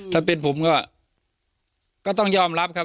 ถ้าเป็นผมก็ต้องยอมรับครับ